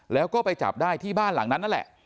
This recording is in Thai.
แล้วก็ไปจับได้ที่บ้านหลังนั้นนั่นแหละ